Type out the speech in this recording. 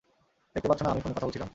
দেখতে পাচ্ছ না আমি ফোনে কথা বলছিলাম?